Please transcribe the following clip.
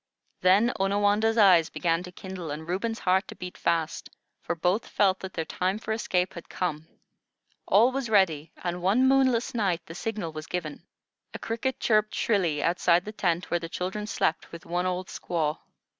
Then Onawandah's eyes began to kindle, and Reuben's heart to beat fast, for both felt that their time for escape had come. All was ready, and one moonless night the signal was given. A cricket chirped shrilly outside the tent where the children slept with one old squaw.